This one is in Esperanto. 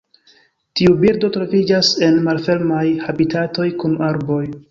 Tiu birdo troviĝas en malfermaj habitatoj kun arboj.